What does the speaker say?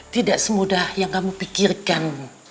tidak semudah yang kamu pikirkan